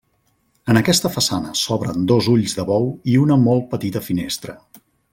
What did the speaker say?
En aquesta façana s'obren dos ulls de bou i una molt petita finestra.